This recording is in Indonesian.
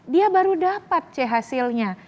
dia baru dapat chasilnya